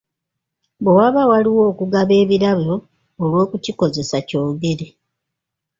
Bwe waba waliwo okugaba ebirabo olw'okukikozesa kyogere.